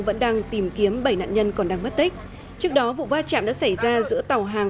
vẫn đang tìm kiếm bảy nạn nhân còn đang mất tích trước đó vụ va chạm đã xảy ra giữa tàu hàng